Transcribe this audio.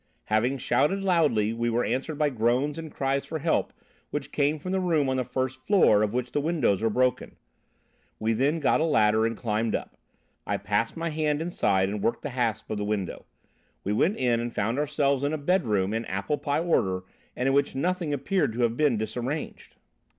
Having shouted loudly we were answered by groans and cries for help which came from the room on the first floor of which the windows were broken. We then got a ladder and climbed up. I passed my hand inside and worked the hasp of the window. We went in and found ourselves in a bedroom in apple pie order and in which nothing appeared to have been disarranged."